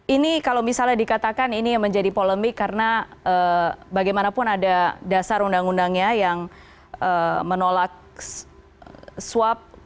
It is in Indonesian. ini kalau misalnya dikatakan ini menjadi polemik karena bagaimanapun ada dasar undang undangnya yang menolak swab